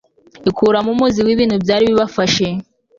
ikuramo umuzi wibintu byari bibafashe